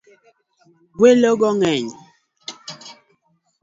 Welo go ngeny.